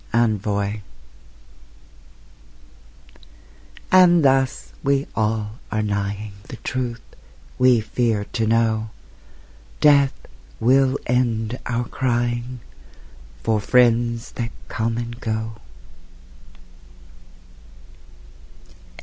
ENVOY And thus we all are nighing The truth we fear to know: Death will end our crying For friends that come and go.